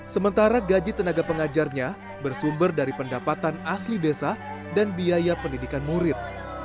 sementara gaji tenaga pengajarnya bersumber dari pendapatan asli desa dan biaya pendidikan murid